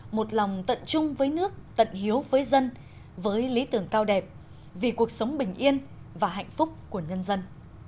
một lòng tận chung với nước tận hiếu với dân với lý tưởng cao đẹp vì cuộc sống bình yên và hạnh phúc của nhân dân